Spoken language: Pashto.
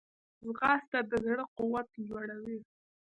ځغاسته د زړه قوت لوړوي